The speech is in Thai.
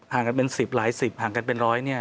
ห่างกันเป็น๑๐หลาย๑๐ห่างกันเป็น๑๐๐นี่